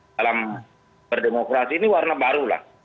dalam berdemokrasi ini warna baru lah